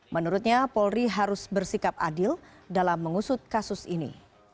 menurutnya polri harus bersikap adil dalam mengusut kasus ini